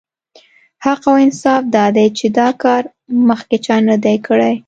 حق او انصاف دا دی چې دا کار مخکې چا نه دی کړی.